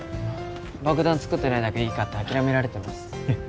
爆弾作ってないだけいいかって諦められてます